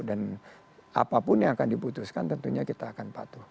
dan apapun yang akan diputuskan tentunya kita akan patuh